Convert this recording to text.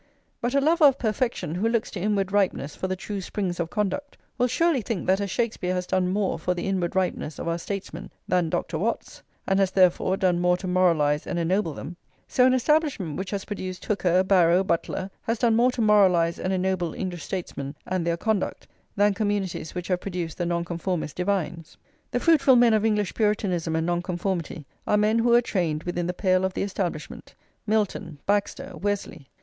But a lover of perfection, who looks to inward ripeness for the true springs of conduct, will surely think that as Shakspeare has done more for the inward ripeness of our statesmen than Dr. Watts, and has, therefore, done more to moralise and ennoble them, so an Establishment which has produced Hooker, Barrow, Butler, has done more to moralise and ennoble English statesmen and their conduct than communities which have produced the Nonconformist divines. The fruitful men of English Puritanism and Nonconformity are men who were trained within the pale of the Establishment, Milton, Baxter, Wesley.